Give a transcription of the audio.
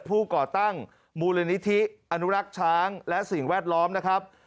ก่อตั้งมูลนิธิอนุรักษ์ช้างและสิ่งแวดล้อมนะครับ